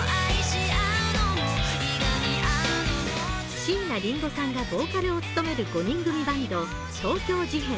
椎名林檎さんがボーカルを務める５人組バンド、東京事変。